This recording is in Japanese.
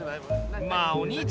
まあお兄ちゃん